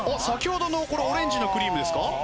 先ほどのこのオレンジのクリームですか？